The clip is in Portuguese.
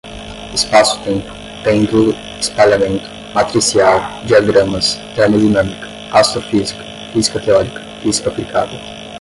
espaço-tempo, pêndulo, espalhamento, matricial, diagramas, termodinâmica, astrofísica, física teórica, física aplicada